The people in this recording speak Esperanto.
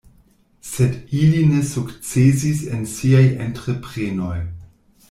Sed ili ne sukcesis en siaj entreprenoj.